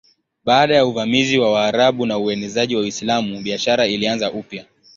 Baada ya uvamizi wa Waarabu na uenezaji wa Uislamu biashara ilianza upya.